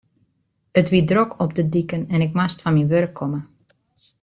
It wie drok op de diken en ik moast fan myn wurk komme.